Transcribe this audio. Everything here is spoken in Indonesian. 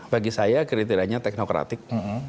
bagi saya kriterianya teknokratik